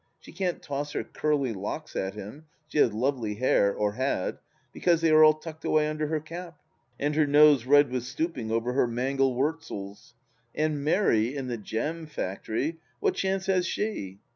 She can't toss her curly locks at him — she has lovely hair, or had — ^because they are all tucked away under her cap, and her nose red with stooping over her mangel wurzels ! And Mary, in the jam factory, what chance has she